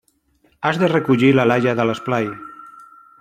Has de recollir la Laia de l'esplai.